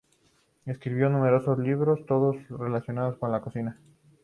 Escribió numerosos libros, todos relacionados con la cocina.